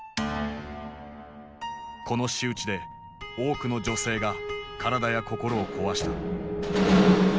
この仕打ちで多くの女性が体や心を壊した。